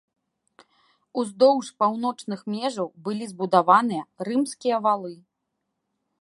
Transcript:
Уздоўж паўночных межаў былі збудаваныя рымскія валы.